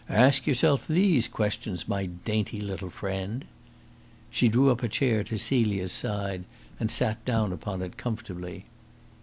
Ask yourself these questions, my dainty little friend!" She drew up a chair to Celia's side, and sat down upon it comfortably.